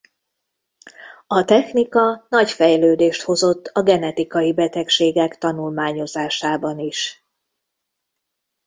A technika nagy fejlődést hozott a genetikai betegségek tanulmányozásában is.